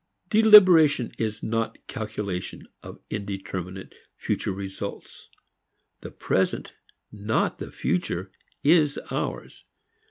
Deliberation is not calculation of indeterminate future results. The present, not the future, is ours.